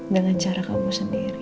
dengan cara kamu sendiri